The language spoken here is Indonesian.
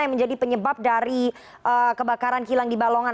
ini penyebab dari kebakaran kilang di balongan